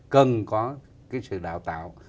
cần có cái sự đào tạo